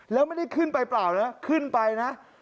แล้วไม่ได้ขึ้นไปเปล่านะขึ้นไปนะ